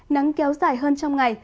nắng kéo dài hơn trong ngày